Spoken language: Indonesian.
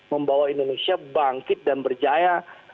membawa indonesia bangkit dan berjaya